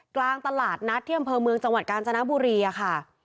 กลางตลาดนัดที่อำเภอเมืองจังหวัดกาญจนบุรีค่ะ